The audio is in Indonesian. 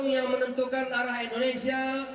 yang menentukan arah indonesia